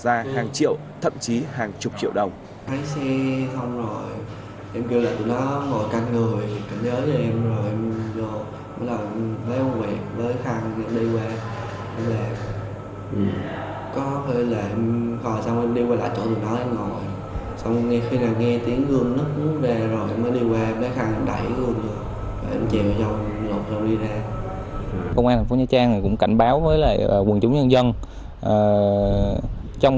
giá hàng triệu thậm chí hàng chục triệu đồng